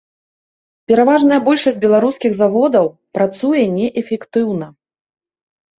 Пераважная большасць беларускіх заводаў працуе неэфектыўна.